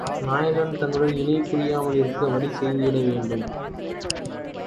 நாயகனைத் தன்னுடன் இனை பிரியாமலிருக்க வழி செய்துவிட வேண்டும்!